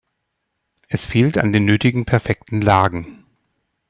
Es fehlt an den nötigen perfekten Lagen.